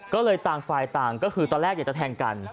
ก็เลยต่างฝ่ายต่างก็คือตอนแรกอยากจะแทงกัน